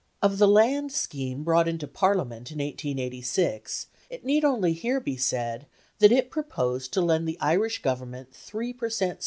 Of the land scheme brought into Parliament in 1886, it need only here be said that it proposed to lend the Irish Government 3 per cent.